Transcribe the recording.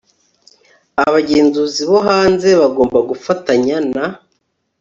Abagenzuzi bo hanze bagomba gufatanya na